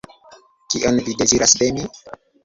Kion Vi deziras de mi?